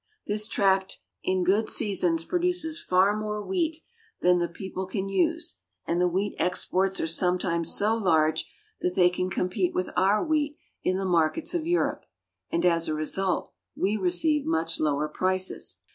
This tract in good seasons produces far more wheat than the people can use, and the wheat exports are sometimes so large that they compete with our wheat in the markets of Europe, and as a result we receive much lower prices.